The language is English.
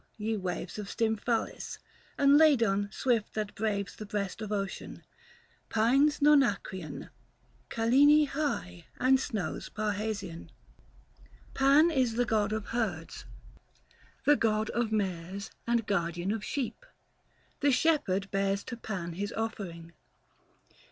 ye waves Of Stymphalis ; and Ladon swift that braves The breast of ocean ; pines Nonacrian ; Cyllene high ; and snows Parrhasian. 285 Pan is the god of herds, the god of mares And guardian of sheep ; the shepherd bears To Pan his offering.